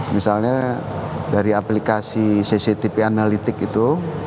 misalnya dari aplikasi cctv analitik itu